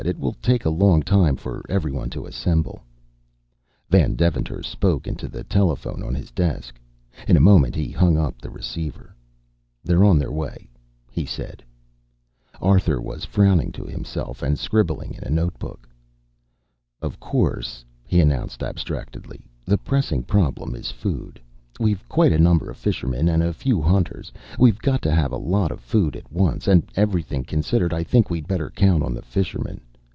"It will take a long time for every one to assemble." Van Deventer spoke into the telephone on his desk. In a moment he hung up the receiver. "They're on their way," he said. Arthur was frowning to himself and scribbling in a note book. "Of course," he announced abstractedly, "the pressing problem is food. We've quite a number of fishermen, and a few hunters. We've got to have a lot of food at once, and everything considered, I think we'd better count on the fishermen.